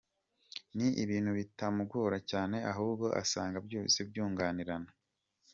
Ni ibintu bitamugora cyane ahubwo asanga byose byunganirana.